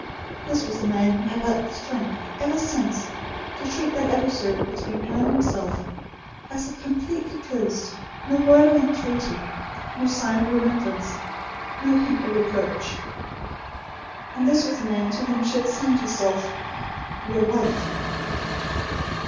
This was the man, who had had the strength, ever since, to treat that episode between her and himself, as completely closed; no word of entreaty; no sign of remembrance; no hint of reproach. And this was the man to whom she had signed herself: "Your wife."